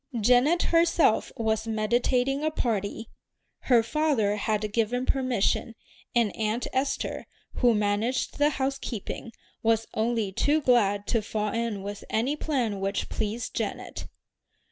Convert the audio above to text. Janet herself was meditating a party. Her father had given permission, and Aunt Esther, who managed the housekeeping, was only too glad to fall in with any plan which pleased Janet.